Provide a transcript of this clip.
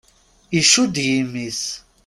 Iccud yimi-s.